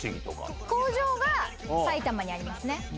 工場が埼玉にあります。